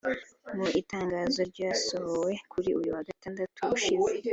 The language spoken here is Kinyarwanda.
Mu itangazo ryasohowe kuri uyu wa gatandatu ushize